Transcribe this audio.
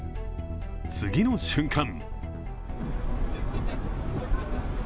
次の瞬間